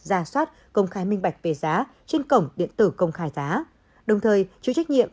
ra soát công khai minh bạch về giá trên cổng điện tử công khai giá đồng thời chịu trách nhiệm